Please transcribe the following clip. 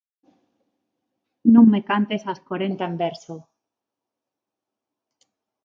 Non me cantes as corenta en verso